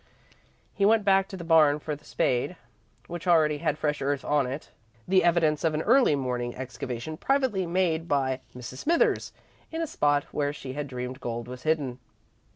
He went back to the barn for the spade, which already had fresh earth on it the evidence of an early morning excavation privately made by Mrs. Smithers in a spot where she had dreamed gold was hidden.